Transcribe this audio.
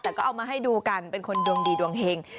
แต่ก็เอามาให้ดูกันเป็นคนดวงดีดวงเห็ง